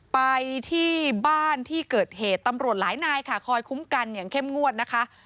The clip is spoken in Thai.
ไปที่บ้านที่เกิดเหตุตำรวจหลายนายค่ะคอยคุ้มกันอย่างเข้มงวดนะคะ